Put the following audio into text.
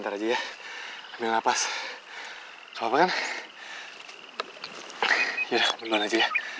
haduh kita kebanyakan dapat banget tapi n molly ke kitab vicaya